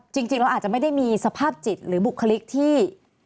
จริงเราอาจจะไม่ได้มีสภาพจิตหรือบุคลิกที่